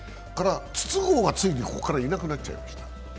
筒香がついにここからいなくなっちゃいました。